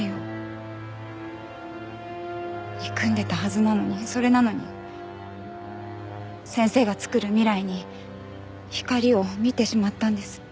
憎んでたはずなのにそれなのに先生がつくる未来に光を見てしまったんです。